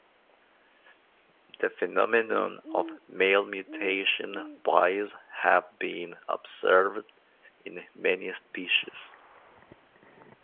The phenomenon of Male mutation bias have been observed in many species.